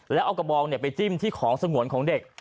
แล้วเอากระบองไปจิ้มที่ของสงวนของเด็ก